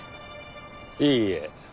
いいえ。